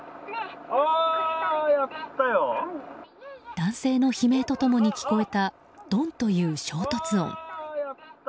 男性の悲鳴と共に聞こえたドンという衝突音。